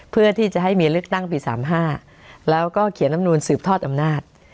เพื่อที่จะให้มีเลือกตั้งปี๓๕แล้วก็เขียนลำนูลสืบทอดอำนาจ